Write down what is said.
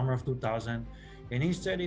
dan dia suling satu tangan